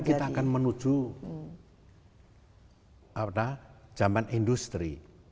karena kita akan menuju zaman industri